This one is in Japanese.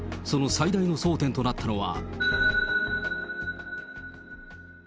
その最大の争点となったのは。